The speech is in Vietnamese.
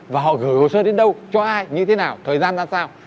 và họ gửi hồ sơ đến đâu cho ai như thế nào thời gian ra sao